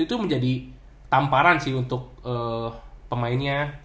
itu menjadi tamparan sih untuk pemainnya